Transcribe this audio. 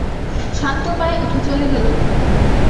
শান্ত পায়ে উঠে চলে গেল।